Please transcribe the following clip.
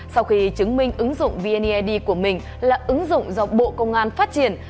sau khi chứng minh ứng dụng vneid của mình là ứng dụng do bộ công an phát triển